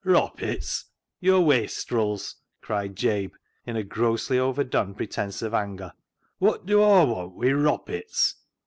" Roppits ! yo' wastrils," cried Jabe, in a grossly overdone pretence of anger ;" wot dew Aw want wi' roppits